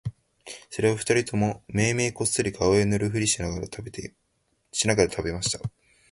それは二人ともめいめいこっそり顔へ塗るふりをしながら喰べました